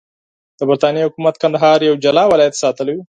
د برټانیې حکومت کندهار یو جلا ولایت ساتلی وو.